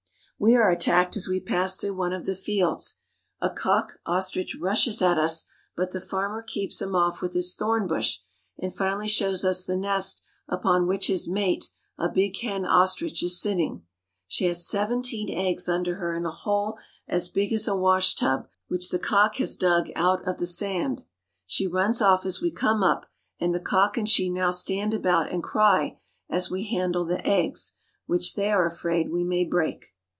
We are attacked as we pass through one of the fields. A cock ostrich rushes at us, but the farmer keeps him off with his thorn bush, and finally shows us the nest upon which his mate, a big hen ostrich, is sitting. She has seventeen eggs under her in a hole as big as a wash tub, which the cock has dug out of the sand. She runs off as we come up, and the cock and she now stand about and cry as we handle the eggs, which they are afraid we may break.